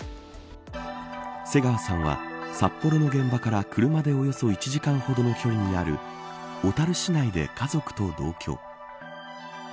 瀬川さんは札幌の現場から車でおよそ１時間ほどの距離にある小樽市内で家族と同居。